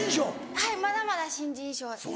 はいまだまだ新人賞です。